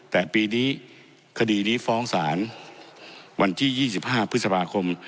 แต่ปีนี้คดีนี้ฟ้องสารวันที่ยี่สิบห้าพฤษภาคม